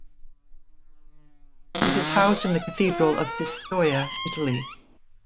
It is housed in the Cathedral of Pistoia, Italy.